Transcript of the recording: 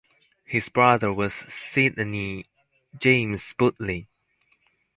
His brother was Sydney James Butlin.